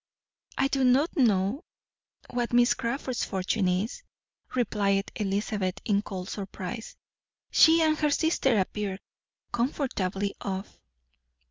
"I do not know what Miss Crawford's fortune is," replied Elizabeth in cold surprise. "She and her sister appear comfortably off."